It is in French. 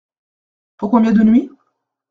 Pour combien de nuits ?